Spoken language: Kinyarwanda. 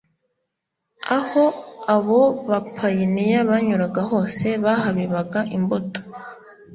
aho abo bapayiniya banyuraga hose bahabibaga imbuto